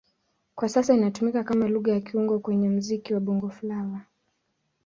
Kwa sasa inatumika kama Lugha ya kiungo kwenye muziki wa Bongo Flava.